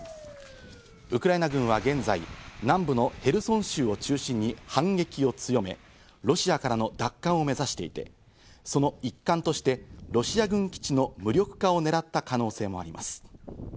ウクライナ軍は現在、南部のヘルソン州を中心に反撃を強め、ロシアからの奪還を目指していて、その一環としてロシア軍基地の無力化をねらった可能性もあります。